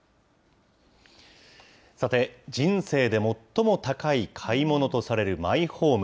さて人生で最も高い買い物とされるマイホーム。